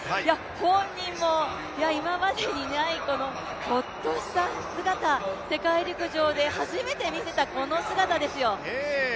本人も今までにない、ほっとした姿世界陸上で初めて見せた、この姿ですよ。